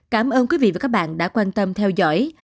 cảm ơn quý vị và các bạn đã quan tâm theo dõi